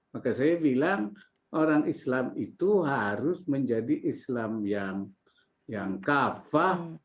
maka saya bilang orang islam itu harus menjadi islam yang kafah